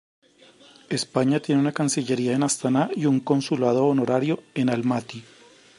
España tiene una cancillería en Astaná y un consulado honorario en Almaty.